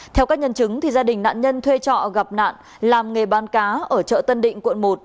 theo các nhân chứng gia đình nạn nhân thuê trọ gặp nạn làm nghề bán cá ở chợ tân định quận một